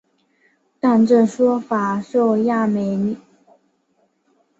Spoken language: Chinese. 但这说法受亚美尼亚和格鲁吉亚历史学家批评为被民族主义的扭曲该区域的历史。